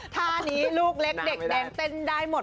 ท่านี้ลูกเล็กเด็กแดงเต้นได้หมด